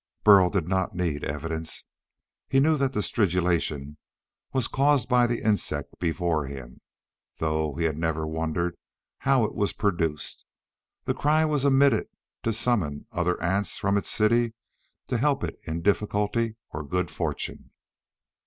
Burl did not need evidence. He knew that the stridulation was caused by the insect before him, though he had never wondered how it was produced. The cry was emitted to summon other ants from its city to help it in difficulty or good fortune.